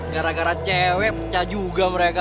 gara gara cewek pecah juga mereka